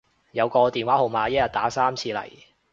有個電話號碼一日打三次嚟